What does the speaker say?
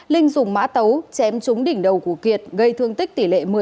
linh dùng má tấu chém trúng đỉnh đầu của kiệt gây thương tích tỷ lệ một mươi